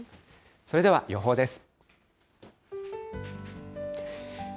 それでは予報です。